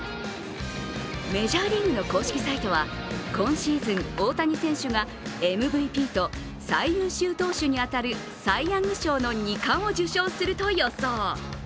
メジャーリーグの公式サイトは今シーズン、大谷選手がＭＶＰと最優秀投手に当たるサイ・ヤング賞の２冠を受賞すると予想。